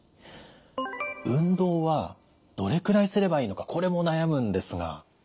運動はどれくらいすればいいのかこれも悩むんですが。